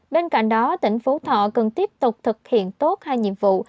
bên cạnh đó tỉnh phú thọ cần tiếp tục thực hiện tốt hai nhiệm vụ